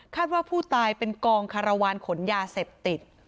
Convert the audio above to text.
ว่าผู้ตายเป็นกองคารวาลขนยาเสพติด